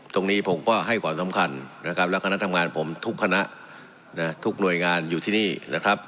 ตรงนี้ผมก็ให้ความสำคัญนะครับและคณะทำงานผมทุกคณะทุกหน่วยงานอยู่ที่นี่นะครับ